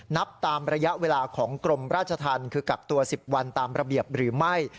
นับตามระยะเวลาของกรมราชธรรมคือกักตัว๑๐วันตามระเบียบหรือไม่